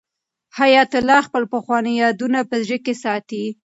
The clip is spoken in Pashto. حیات الله خپل پخواني یادونه په زړه کې ساتي.